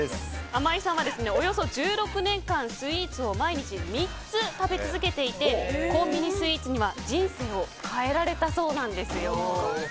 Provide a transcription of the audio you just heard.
あまいさんはおよそ１６年間スイーツを毎日３つ食べ続けていてコンビニスイーツには人生を変えられたそうなんですよ。